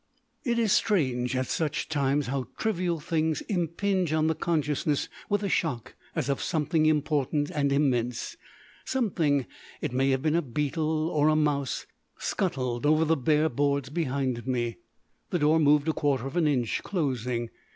It is strange at such times how trivial things impinge on the consciousness with a shock as of something important and immense. Something it may have been a beetle or a mouse scuttled over the bare boards behind me. The door moved a quarter of an inch, closing.